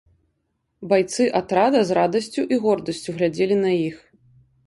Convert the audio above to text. Байцы атрада з радасцю і гордасцю глядзелі на іх.